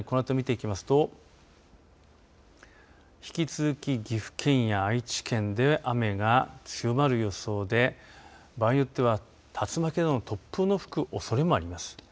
さらに、このあと見ていきますと引き続き、岐阜県や愛知県で雨が強まる予想で場合によっては竜巻などの突風の吹くおそれもあります。